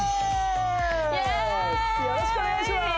よろしくお願いします